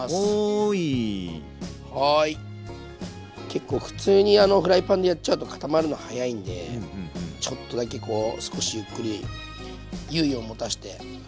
結構普通にフライパンでやっちゃうと固まるの早いんでちょっとだけ少しゆっくり猶予を持たして。